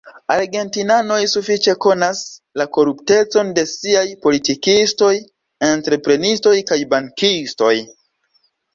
Argentinanoj sufiĉe konas la koruptecon de siaj politikistoj, entreprenistoj kaj bankistoj.